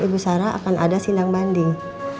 ibu sarah akan ada sindang banding